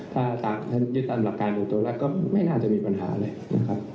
ถ้ายึดตามหลักการโดยตรงแล้วก็ไม่น่าจะมีปัญหาเลยนะครับ